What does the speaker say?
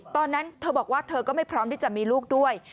ตอนนั้นเธอบอกว่าเธอก็ไม่พร้อมที่จะมีลูกด้วย